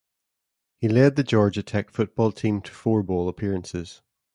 He led the Georgia Tech football team to four bowl appearances.